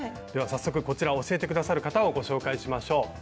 では早速こちら教えてくださる方をご紹介しましょう。